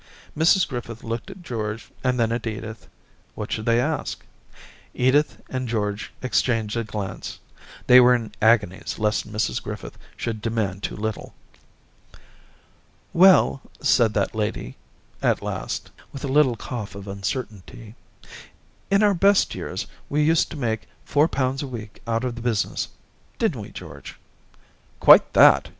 Mrs Griffith looked at George and then at Edith. What should they ask ? Edith and George exchanged a glance ; they were in agonies lest Mrs Griffith should demand too little. * Well,' said that lady, at last, with a little cough of uncertainty, * in our best years we used to make four pounds a week out of the business — didn't we, George }'* Quite that !